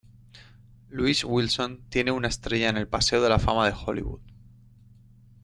Lois Wilson tiene una estrella en el Paseo de la Fama de Hollywood.